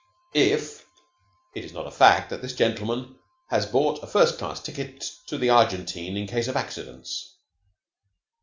IF it is not a fact that this gentleman has bought a first class ticket to the Argentine in case of accidents?